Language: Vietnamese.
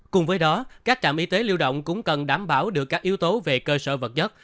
cùng với đó các trạm y tế lưu động cũng cần đảm bảo được các yếu tố về cơ sở vật chất